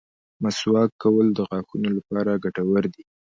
مسواک کول د غاښونو لپاره ګټور دي.